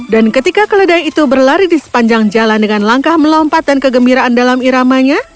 dan ketika keledai itu berlari di sepanjang jalan dengan langkah melompat dan kegembiraan dalam iramanya